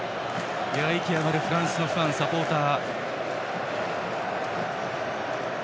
意気上がるフランスのファン、サポーター。